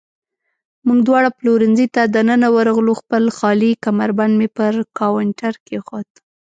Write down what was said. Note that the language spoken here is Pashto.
موږ دواړه پلورنځۍ ته دننه ورغلو، خپل خالي کمربند مې پر کاونټر کېښود.